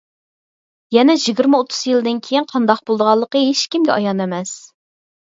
يەنە يىگىرمە-ئوتتۇز يىلدىن كېيىن قانداق بولىدىغانلىقى ھېچ كىمگە ئايان ئەمەس.